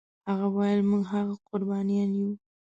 هغه ویل موږ هغه قربانیان یو.